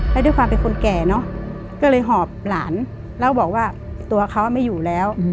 และด้วยความเป็นคนแก่เนอะก็เลยหอบหลานแล้วบอกว่าตัวเขาไม่อยู่แล้ว